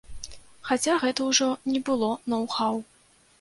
Хаця гэта ўжо не было ноў-хаў.